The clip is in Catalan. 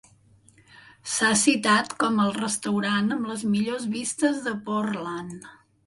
S"ha citat com el restaurant amb les millors vistes de Portland.